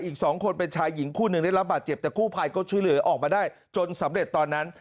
อีก๒คนเป็นชายหญิงคู่หนึ่งได้รับบาดเจ็บแต่กู้ภัยก็ช่วยเหลือออกมาได้จนสำเร็จตอนนั้น